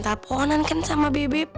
telepon teleponan kan sama bebe